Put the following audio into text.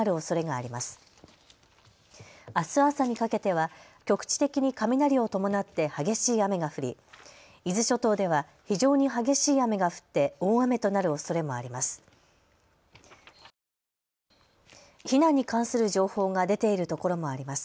あす朝にかけては局地的に雷を伴って激しい雨が降り伊豆諸島では非常に激しい雨が降って大雨となるおそれもあります。